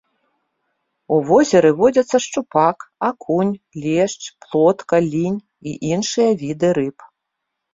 У возеры водзяцца шчупак, акунь, лешч, плотка, лінь і іншыя віды рыб.